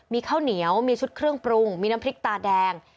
มีข้าวเหนียวมีชุดเครื่องปรุงมีน้ำพริกตาแดง